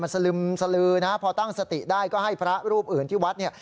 สลึมสลือนะพอตั้งสติได้ก็ให้พระรูปอื่นที่วัดเนี่ย